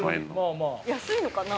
安いのかな？